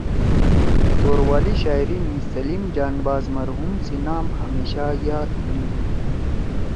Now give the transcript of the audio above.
توروالی شاعری می سلیم جانباز مرحوم سی نام ہمیشہ یاد ہونیِن۔